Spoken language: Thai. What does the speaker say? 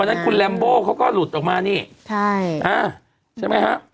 วันนั้นคุณลัมโบ่เขาก็หลุดออกมานี่ใช่ใช่มั้ยฮะ